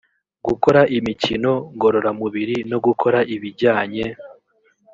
gukora imikino ngororamubiri no gukora ibijyanye